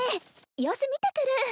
様子見てくる。